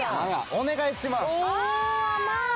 お願いします。